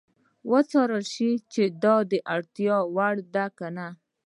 وڅارل شي چې د اړتیا وړ ده یا نه.